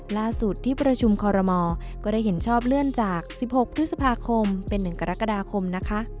ล่าสุดที่ประชุมคอรมอก็ได้เห็นชอบเลื่อนจาก๑๖พฤษภาคมเป็น๑กรกฎาคมนะคะ